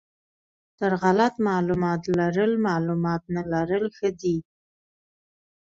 تر غلط معلومات لرل معلومات نه لرل ښه دي.